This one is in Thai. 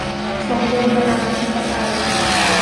สมบูรณาธิปไตย